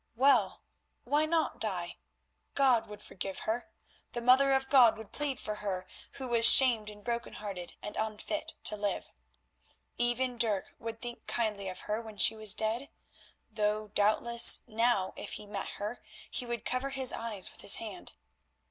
Well, why not die? God would forgive her, the Mother of God would plead for her who was shamed and broken hearted and unfit to live. Even Dirk would think kindly of her when she was dead, though, doubtless, now if he met her he would cover his eyes with his hand.